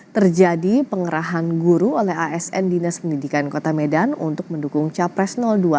terjadi pengerahan guru oleh asn dinas pendidikan kota medan untuk mendukung capres dua